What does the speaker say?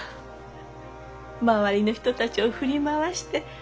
周りの人たちを振り回して。